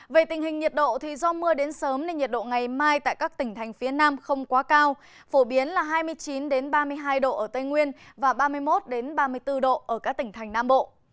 về tình hình nhiệt độ do mưa đến sớm nên nhiệt độ ngày mai tại các tỉnh thành phía nam không quá cao phổ biến là hai mươi chín ba mươi hai độ ở tây nguyên và ba mươi một ba mươi bốn độ ở các tỉnh thành nam bộ